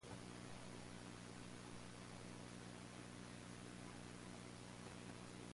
The offer of a knighthood was in the post when he died.